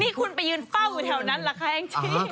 นี่คุณไปยืนเฝ้าอยู่แถวนั้นเหรอคะแองจี้